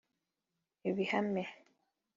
Ibihame